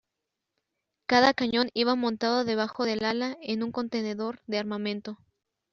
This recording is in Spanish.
Cada cañón iba montado debajo del ala en un contenedor de armamento.